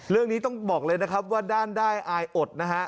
เรื่องนี้ต้องบอกเลยนะครับว่าด้านได้อายอดนะฮะ